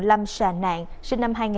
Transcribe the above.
lâm sà nạn sinh năm hai nghìn năm